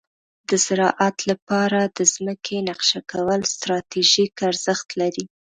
د زراعت لپاره د ځمکې نقشه کول ستراتیژیک ارزښت لري.